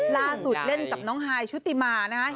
ลาสุดเล่นกับน้องฮายชุติมารนะครับ